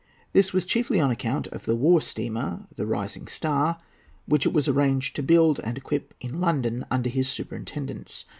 This was chiefly on account of the war steamer, the Rising Star, which it was arranged to build and equip in London under his superintendence.